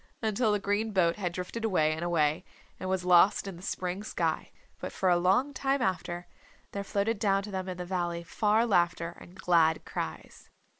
until the green boat had drifted away and away and was lost in the spring sky. But for a long time after, there floated down to them in the valley far laughter and glad cries.